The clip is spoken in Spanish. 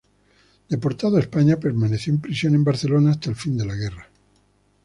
Deportado a España, permaneció en prisión en Barcelona hasta el fin de la guerra.